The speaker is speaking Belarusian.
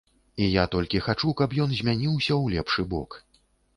І я толькі хачу, каб ён змяніўся ў лепшы бок.